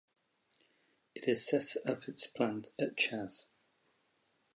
It has set up its plant at Chas.